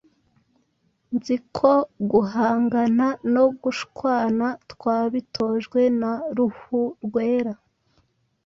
Nzi ko guhangana no gushwanaTwabitojwe na Ruhurwera,